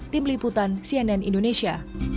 tim liputan cnn indonesia